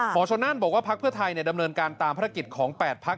ชนนั่นบอกว่าพักเพื่อไทยดำเนินการตามภารกิจของ๘พัก